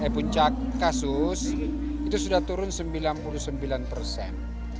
puncak kasus itu sudah turun sembilan puluh sembilan persen